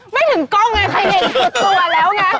ไม่ถึงกล้องไงใครเห็นสุดตัวแล้วไง